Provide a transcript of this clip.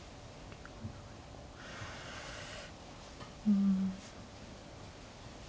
うん。